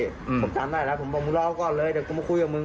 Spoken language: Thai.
ผมจำได้แล้วผมบอกมึงรอก่อนเลยเดี๋ยวกูมาคุยกับมึง